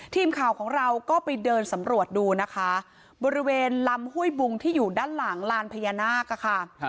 ทีมข่าวของเราก็ไปเดินสำรวจดูนะคะบริเวณลำห้วยบุงที่อยู่ด้านหลังลานพญานาคค่ะ